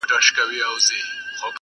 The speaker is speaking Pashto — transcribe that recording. او خلک راټولېږي